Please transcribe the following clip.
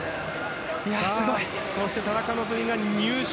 そして田中希実が入賞。